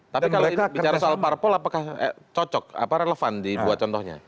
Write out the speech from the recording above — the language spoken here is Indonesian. tapi kalau bicara soal parpol apakah cocok apa relevan dibuat contohnya